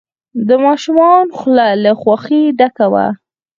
د ماشوم خوله له خوښۍ ډکه وه.